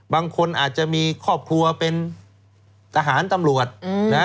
บางคนอาจจะมีครอบครัวเป็นทหารตำรวจนะ